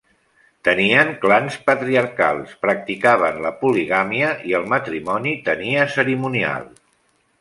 Tenien clans patriarcals, practicaven la poligàmia i el matrimoni tenia cerimonial.